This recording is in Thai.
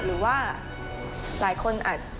หรือว่าหลายคนอาจ